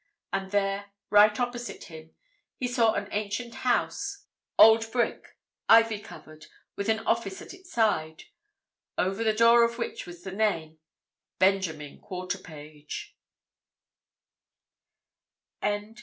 And there, right opposite him, he saw an ancient house, old brick, ivy covered, with an office at its side, over the door of which was the name, Benjamin Quarterpage.